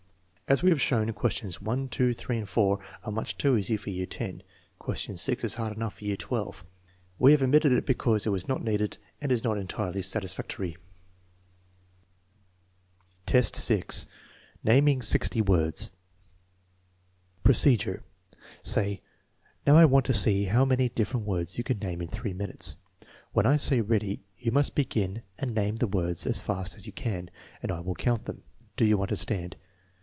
As we have shown, questions 1, 2, 3, and 4 are much too easy for year X. Question 6 is hard enough for year XII* 272 THE MEASUREMENT OF INTELLIGENCE We have omitted it because it was not needed and is not entirely satisfactory. X, 6. Naming sixty words Procedure. Say: "Now, I want to see how many different words you can name in three minutes. When I say ready, you must begin and name the words as fast as you can, and I will count them. Do you understand?